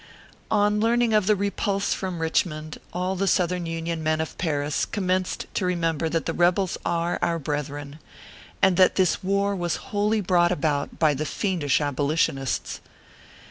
On learning of the repulse from Eichmond, all the Southern Union men of Paris commenced to remem ber that the rebels are our brethren, and that this war was wholly brought about by the fiendish aboli tionists.